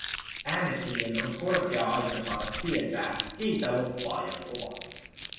Äänestäjien on korkea aika saada tietää, keitä lobbaajat ovat.